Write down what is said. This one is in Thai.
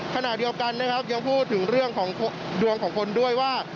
ขณะเดียวกันนะครับยังพูดถึงเรื่องของดวงของคนด้วยว่า